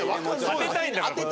当てたいんだもん。